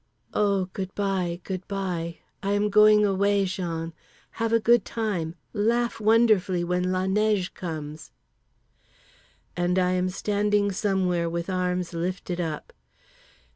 —O good bye, good bye, I am going away, Jean; have a good time, laugh wonderfully when la neige comes…. And I am standing somewhere with arms lifted up.